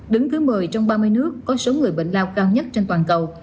đứng thứ một mươi trong ba mươi nước có số người bệnh lao cao nhất trên toàn cầu